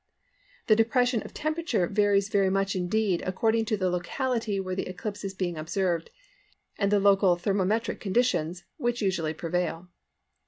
The depression of temperature varies very much indeed according to the locality where the eclipse is being observed and the local thermometric conditions which usually prevail.